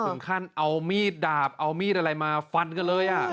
ถึงขั้นเอามีดดาบเอามีดอะไรมาฟันกันเลย